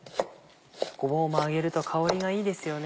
ごぼうも揚げると香りがいいですよね。